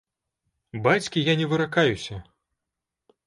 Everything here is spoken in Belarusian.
Бацькі я не выракаюся!